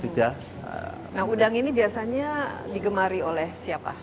nah udang ini biasanya digemari oleh siapa